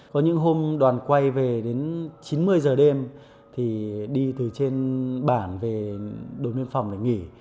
có những hôm đoàn quay về đến chín mươi giờ đêm thì đi từ trên bản về đồn biên phòng để nghỉ